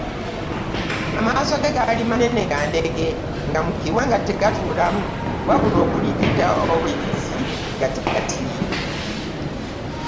Amaaso ge gaali manene ga ndege nga mu kiwanga tegatuulamu wabula okuligita obuligisi gati gati.